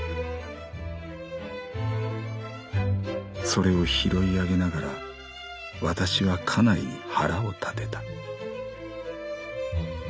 「それを拾い上げながらわたしは家内に腹を立てた」。